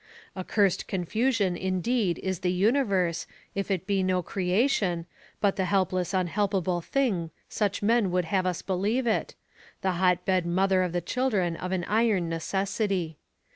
A cursed confusion indeed is the universe, if it be no creation, but the helpless unhelpable thing such men would have us believe it the hotbed mother of the children of an iron Necessity.